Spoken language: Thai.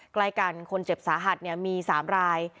ใกล้กันคนเจ็บสาหัสมี๓ราย